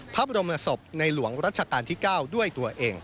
พระบรมศพในหลวงรัชกาลที่๙ด้วยตัวเอง